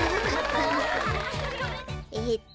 えっと